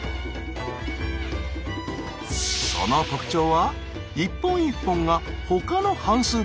その特徴は一本一本がほかの反すう